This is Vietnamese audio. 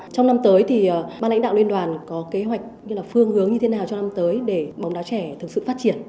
trong năm tới thì ban lãnh đạo liên đoàn có kế hoạch như là phương hướng như thế nào cho năm tới để bóng đá trẻ thực sự phát triển